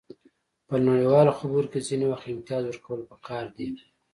په نړیوالو خبرو کې ځینې وخت امتیاز ورکول پکار دي